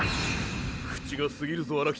口がすぎるぞ荒北。